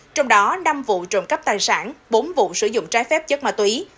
trong đó năm vụ trộm cắp tài sản bốn vụ sử dụng trái phép chất mạ tùy